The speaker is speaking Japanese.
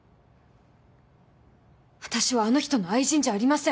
私はあの人の愛人じゃありません。